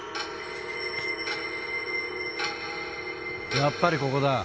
やっぱりここだ。